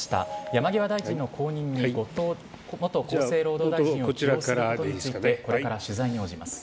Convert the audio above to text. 山際大臣の後任に後藤元厚生労働大臣を起用することについて、これから取材に応じます。